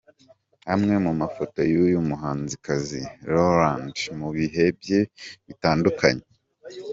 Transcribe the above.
Amwe mu mafoto y'uyu muhanzikazi Rowland mu bihe bye bitandukanye.